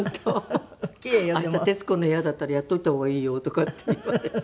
『徹子の部屋』だったらやっておいた方がいいよ」とかって言われて。